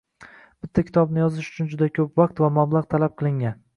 Bitta kitobni yozish uchun juda koʻp vaqt va mablagʻ talab qilingan.